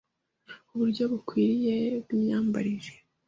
uburyo bukwiriye bw’imyambarire,